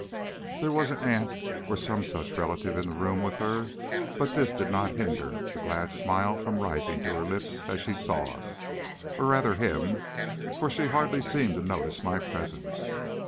"There was an aunt or some such relative in the room with her, but this did not hinder the glad smile from rising to her lips as she saw us or rather him, for she hardly seemed to notice my presence.